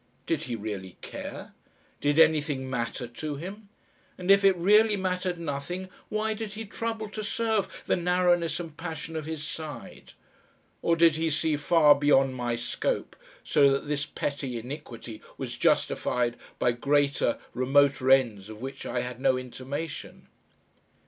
Did he really care? Did anything matter to him? And if it really mattered nothing, why did he trouble to serve the narrowness and passion of his side? Or did he see far beyond my scope, so that this petty iniquity was justified by greater, remoter ends of which I had no intimation?